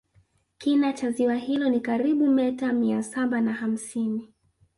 Kina cha ziwa hilo ni karibu meta mia saba na hamsini